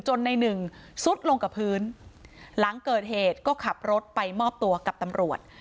ในหนึ่งซุดลงกับพื้นหลังเกิดเหตุก็ขับรถไปมอบตัวกับตำรวจ